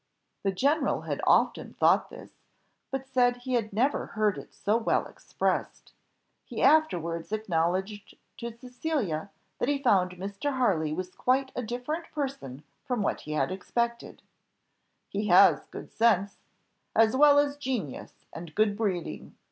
The general had often thought this, but said he had never heard it so well expressed; he afterwards acknowledged to Cecilia that he found Mr. Harley was quite a different person from what he had expected "He has good sense, as well as genius and good breeding.